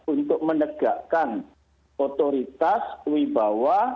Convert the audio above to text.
untuk menegakkan otoritas wibawa